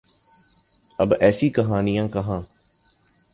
اب ایسی کہانیاں کہاں۔